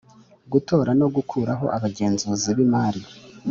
Gutora no gukuraho abagenzuzi bimari